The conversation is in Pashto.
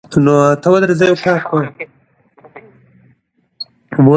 موږ باید د نورو احساساتو ته زیان ونه رسوو